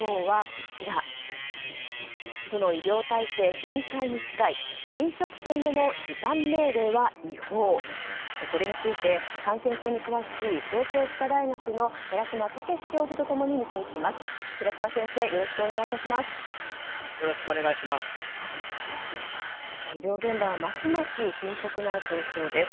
これについて感染症に詳しい東京歯科大学の寺嶋毅教授と共に見ていきます。